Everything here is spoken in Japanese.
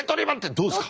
どうですか？